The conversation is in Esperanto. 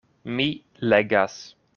Mi legas.